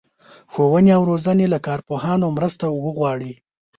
ښوونې او روزنې له کارپوهانو مرسته وغواړي.